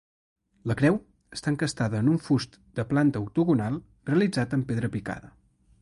La creu està encastada en un fust de planta octogonal, realitzat amb pedra picada.